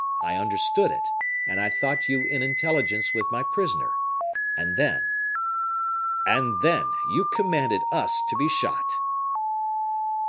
I understood it, and I thought you in intelligence with my prisoner. And then " "And then you commanded us to be shot."